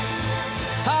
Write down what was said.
さあ